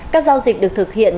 các giao dịch được thực hiện